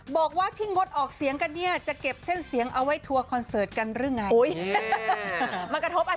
มันกระทบอาชีพเค้ารึเปล่า